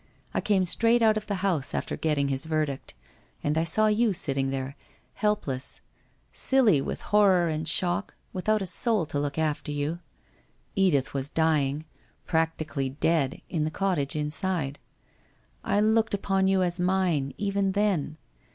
I came straight out of the house after getting his verdict, and I saw you sitting there, helpless, silly with horror and shock, without a soul to look after you. Edith was dying — practically dead — in the cottage inside. I looked upon you as mine, even then.